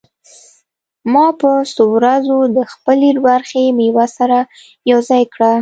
ما به څو ورځې د خپلې برخې مېوه سره يوځاى کړه.